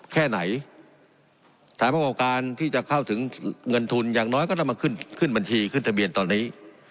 แค่ไหนฐานประกอบการที่จะเข้าถึงเงินทุนอย่างน้อยก็ต้องมาขึ้นขึ้นบัญชีขึ้นทะเบียนตอนนี้